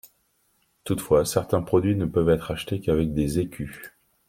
Toutefois certains produits ne peuvent être achetés qu'avec des Écus.